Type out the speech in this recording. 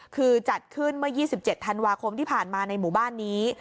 คือจัดขึ้นเมื่อ๒๗ธันวาคมที่ผ่านมาในหมู่บ้านนี้